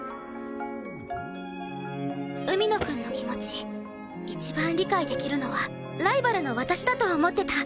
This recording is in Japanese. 海野くんの気持ち一番理解できるのはライバルの私だと思ってた。